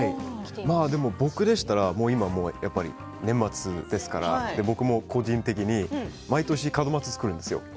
僕でしたら今やっぱり年末ですから僕も個人的に毎年、門松を作るんですよ。